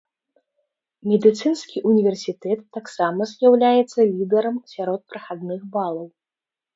Медыцынскі універсітэт таксама з'яўляецца лідэрам сярод прахадных балаў.